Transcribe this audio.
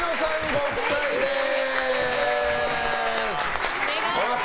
ご夫妻です。